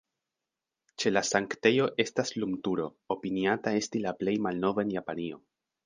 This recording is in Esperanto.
Ĉe la sanktejo estas lumturo, opiniata esti la plej malnova en Japanio.